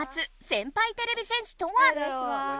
先輩てれび戦士とは？